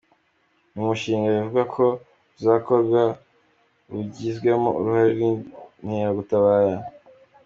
Ni umushinga bivugwa ko uzakorwa bugizwemo uruhare n’Inkeragutabara.